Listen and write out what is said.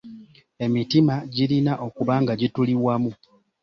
Emitima girina okuba nga gituli wamu.